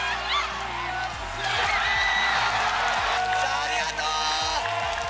ありがとう！